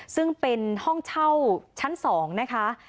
ซึ่งเป็นห้องเช่าชั้น๒นะคะ